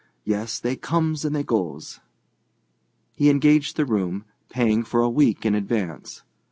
Yes, they comes and they goes." He engaged the room, paying for a week in advance.